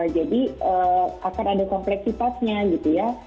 jadi akan ada kompleksitasnya gitu ya